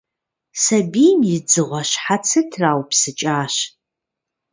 Сабийм и «дзыгъуэ» щхьэцыр траупсыкӀащ.